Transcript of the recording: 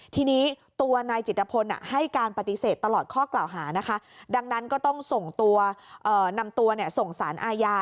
ทีนี้ตัวนายจิตพลให้การปฏิเสธตลอดข้อกล่าวหานะคะดังนั้นก็ต้องส่งตัวนำตัวส่งสารอาญา